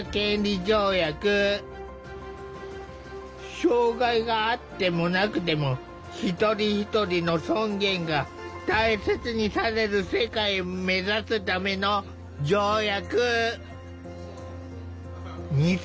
障害があってもなくても一人一人の尊厳が大切にされる世界を目指すための条約。